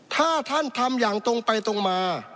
ถ้าท่านทำอย่างตรงไปตรงมา